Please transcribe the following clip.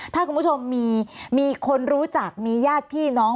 ถ้าคุณผู้ชมมีคนรู้จักมีญาติพี่น้อง